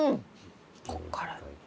ここから。